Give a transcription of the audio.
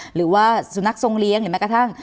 หรือว่าสุนัขทรงเลี้ยงหรือแม้กระทั่ง